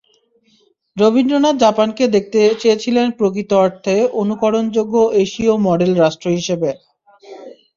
রবীন্দ্রনাথ জাপানকে দেখতে চেয়েছিলেন প্রকৃত অর্থে অনুকরণযোগ্য এশীয় মডেল রাষ্ট্র হিসেবে।